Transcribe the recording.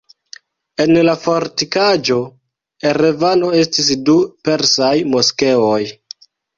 En la fortikaĵo Erevano estis du persaj moskeoj.